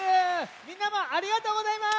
みんなもありがとうございます！